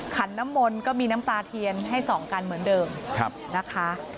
ขันน้ำมนต์ก็มีน้ำตาเทียนให้ส่องกันเหมือนเดิมนะคะ